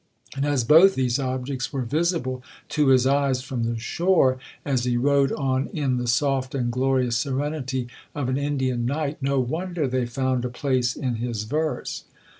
And as both these objects were visible to his eyes from the shore, as he rowed on in the soft and glorious serenity of an Indian night, no wonder they found a place in his verse.